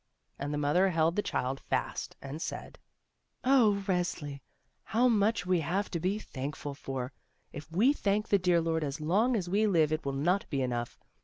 And the mother held the child fast and said: 60 THE ROSE CHILD "Oh, Resli, how much we have to be thankful for! If we thank the dear Lord as long as we live it will not be enough.